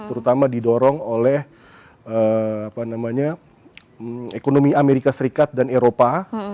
terutama didorong oleh ekonomi amerika serikat dan eropa